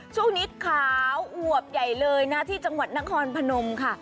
ช่วงนี้ขาวอวบใหญ่เลยนะที่จังหวัดนครพนมค่ะ